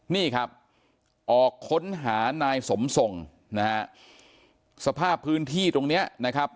นี่ครับออกค้นหานายสมทรงนะฮะสภาพพื้นที่ตรงเนี้ยนะครับ